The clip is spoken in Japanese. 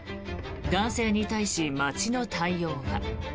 男性に対し、町の対応は。